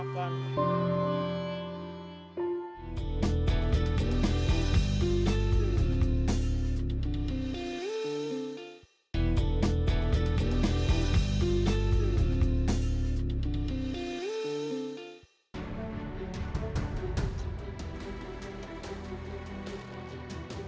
nggak ada nilai